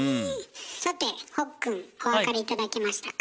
さてほっくんお分かり頂けましたか？